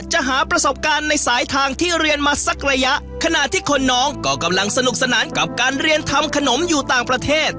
หาประสบการณ์ในสายทางที่เรียนมาสักระยะขณะที่คนน้องก็กำลังสนุกสนานกับการเรียนทำขนมอยู่ต่างประเทศ